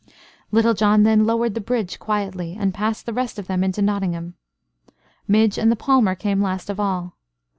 Little John then lowered the bridge quietly, and passed the rest of them into Nottingham. Midge and the palmer came last of all.